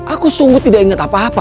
aku sungguh tidak ingat apa apa